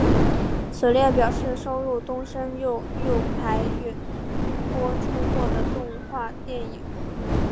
此列表示收录东森幼幼台播出过的动画电影。